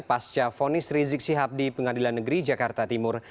pasca fonis rizik sihab di pengadilan negeri jakarta timur